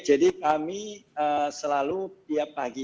jadi kami selalu tiap pagi itu ada nama kondisi